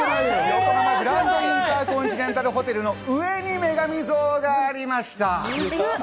ヨコハマグランドインターコンチネンタルホテルの上に女神像がありました。